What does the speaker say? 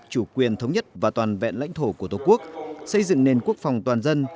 chủ quyền thống nhất và toàn vẹn lãnh thổ của tổ quốc xây dựng nền quốc phòng toàn dân